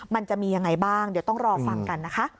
มันจะมียังไงบ้างเดี๋ยวต้องรอฟังกันนะคะ